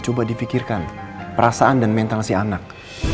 coba dipikirkan perasaan dan mental si anak